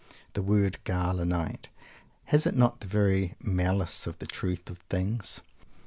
The word "Gala Night" has it not the very malice of the truth of things?